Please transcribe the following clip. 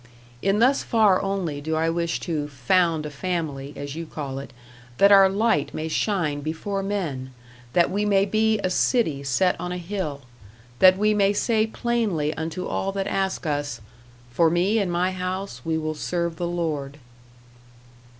In thus far only do I wish to 'found a family,' as you call it, that our light may shine before men that we may be a city set on a hill that we may say plainly unto all that ask us, 'For me and my house, we will serve the Lord.'"